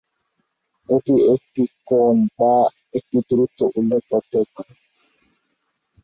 এটি একটি কোণ বা একটি দূরত্ব উল্লেখ করতে পারে।